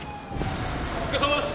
お疲れさまです。